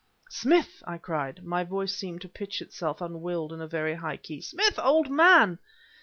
"Smith!" I cried (my voice seemed to pitch itself, unwilled, in a very high key), "Smith, old man!"